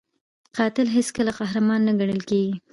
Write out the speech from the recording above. قاتل هیڅکله قهرمان نه ګڼل کېږي